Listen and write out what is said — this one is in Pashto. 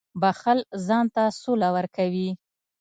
• بښل ځان ته سوله ورکوي.